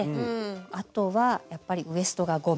あとはやっぱりウエストがゴム。